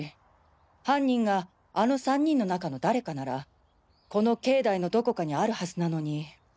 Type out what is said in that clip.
犯人があの３人の中の誰かならこの境内のどこかにあるはずなのに。